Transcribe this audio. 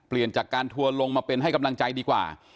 เปลี่ยนจากการทัวลงมาเป็นให้กำลังใจดีกว่า